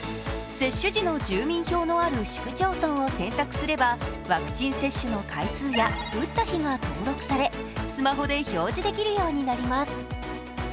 接種時の住民票のある市区町村を選択すればワクチン接種の回数や打った日か登録されスマホで表示できるようになります。